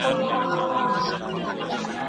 د وېرې شب پرستو لا د لمر لارې تړلي